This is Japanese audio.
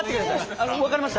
あの分かりました。